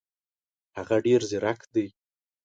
هغه ډېر زیرک دی.